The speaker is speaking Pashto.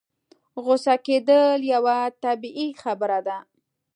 غوسه کېدل يوه طبيعي خبره ده.